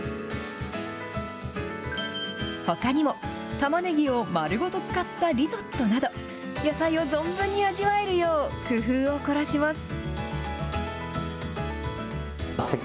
ほかにも、玉ねぎを丸ごと使ったリゾットなど、野菜を存分に味わえるよう工夫を凝らします。